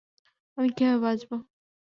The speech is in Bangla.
আমি কিভাবে বাঁচবো?